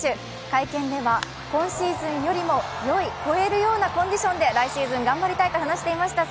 会見では今シーズンよりも、よい超えるようなコンディションで来シーズン頑張りたいと話していました。